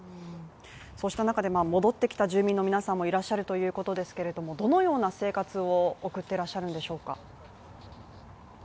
そうした中で戻ってきた住民の皆さんもいらっしゃるということですけれどもどのような生活を送ってらっしゃるんでしょうか？